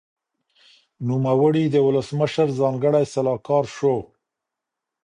نوموړي د ولسمشر ځانګړی سلاکار شو.